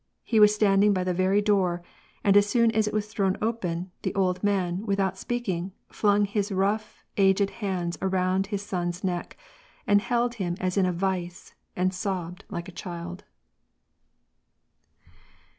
He was standing by the very door, and as soon as it was thrown open, the old man, without speaking, flung his rough, aged hands around his son's neck, and held him as in a vice and sobbed like a child.